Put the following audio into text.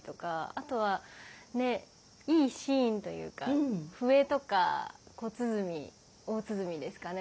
あとはねいいシーンというか笛とか小鼓大鼓ですかね